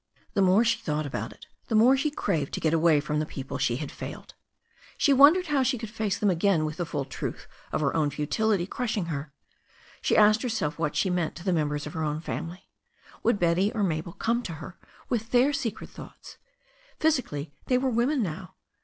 The more she thought about it the more she craved to get away from the people she had failed. She wondered how she could face them again with the full truth of her own THE STORY OF A NEW ZEALAND RIVER 549 futility crushing her. She asked herself what she meant to the members of her own family. Would Betty or Mabel come to her with their secret thoughts? Physically they were women now.